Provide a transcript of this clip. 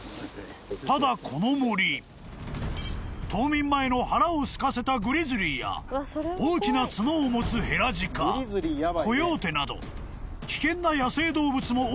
［冬眠前の腹をすかせたグリズリーや大きな角を持つヘラジカコヨーテなど危険な野生動物も多いという］